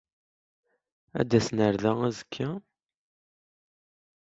Ad d-asen ɣer da azekka?